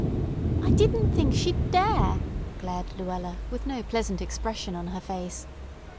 "I didn't think she'd dare!" glared Luella with no pleasant expression on her face.